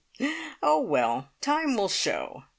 "Oh, well, time will show.